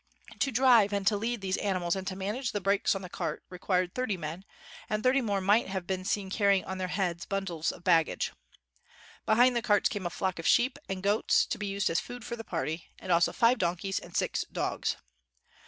To drive and to lead these ani mals and to manage the brakes on the carts required thirty men, and thirty more might have been seen carrying on their heads bun dles of baggage. Behind the carts came a flock of sheep and goats, to be used as. food for the party, and also five donkeys and six dogs.